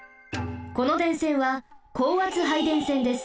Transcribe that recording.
この電線は高圧配電線です。